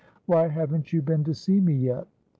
"Why haven't you been to see me yet?"